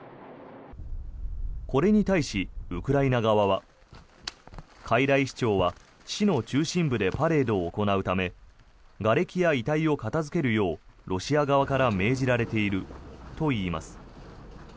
これに対し、ウクライナ側はかいらい市長は市の中心部でパレードを行うためがれきや遺体を片付けるようロシア側から命じられているといいます。